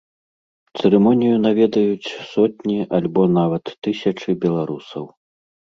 Цырымонію наведаюць сотні альбо нават тысячы беларусаў.